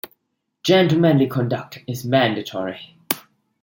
Gentlemanly conduct is mandatory.